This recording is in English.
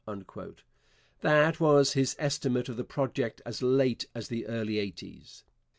That was his estimate of the project as late as the early eighties.